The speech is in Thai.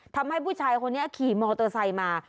ทำให้ผู้ชายคนนี้ขี่มอเตอร์ไซค์มา